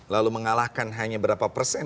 lalu mengalahkan hanya berapa persen